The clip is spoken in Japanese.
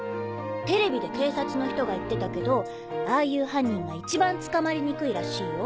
テレビで警察の人が言ってたけどああいう犯人が一番捕まりにくいらしいよ。